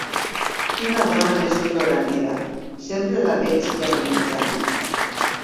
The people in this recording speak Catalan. Quina dona més ploranera: sempre la veig llagrimejant.